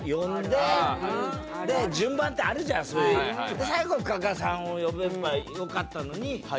で最後に加賀さんを呼べばよかったのに。